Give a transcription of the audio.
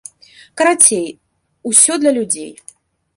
Карацей, усё для людзей.